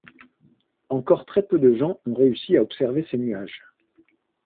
Encore très peu de gens ont réussi à observer ces nuages.